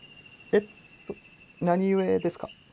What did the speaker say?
えっと何故ですか？